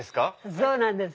そうなんです。